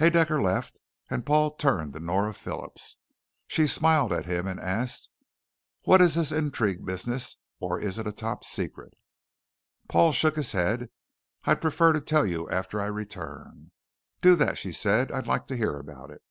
Haedaecker left and Paul turned to Nora Phillips. She smiled at him and asked: "What is this intrigue business, or is it a top secret?" Paul shook his head. "I'd prefer to tell you after I return." "Do that," she said. "I'd like to hear about it."